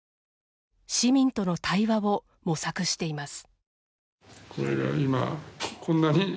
市民との対話を模索しています。